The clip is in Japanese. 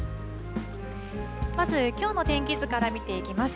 まず、きょうの天気図から見ていきます。